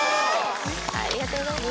ありがとうございます